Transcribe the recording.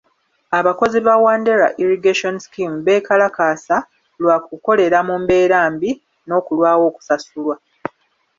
Abakozi ba Wandera irrigation scheme beekalakaasa lwa kukolera mu mbeera mbi n'okulwawo okusasulwa.